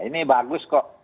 ini bagus kok